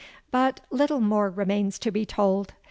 "But little more remains to be told.